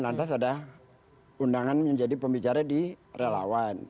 lantas ada undangan menjadi pembicara di relawan